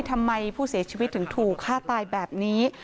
ทำไมผู้เสียชีวิตถึงถูกฆ่าตายแบบนี้